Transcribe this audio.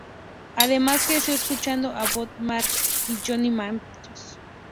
Además, creció escuchando a Bob Marley y Johnny Mathis.